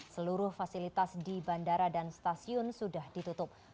seluruh fasilitas di bandara dan stasiun sudah ditutup